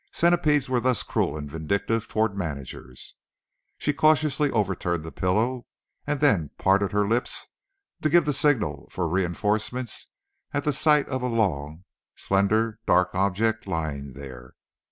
Centipedes were thus cruel and vindictive toward managers. She cautiously overturned the pillow, and then parted her lips to give the signal for reinforcements at sight of a long, slender, dark object lying there.